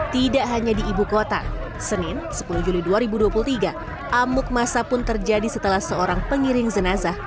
tidak hanya di ibu kota senin sepuluh juli dua ribu dua puluh tiga amuk masa pun terjadi setelah seorang pengiring jenazah